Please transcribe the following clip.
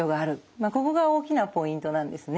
ここが大きなポイントなんですね。